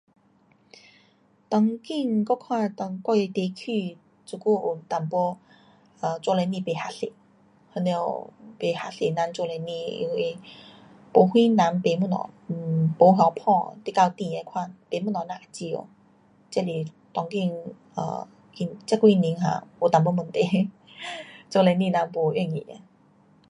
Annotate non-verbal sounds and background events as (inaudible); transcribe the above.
当今我看当我的地区这久有一点 um 做生意不合算，那内不合算做生意因为没什人买东西。um 没那迫，你到店那看买东西人也少。这是当今 um 这几年哈，有一点问题 (laughs) 做生意人不容易的。